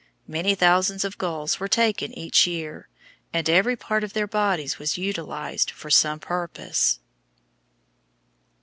Many thousands of gulls were taken each year, and every part of their bodies was utilized for some purpose.